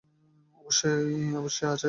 অবশ্যই আছে আসেন।